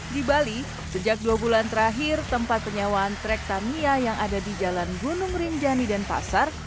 di bali sejak dua bulan terakhir tempat penyewaan trek tania yang ada di jalan gunung rinjani dan pasar